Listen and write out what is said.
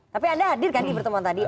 tapi anda hadir kan di pertemuan tadi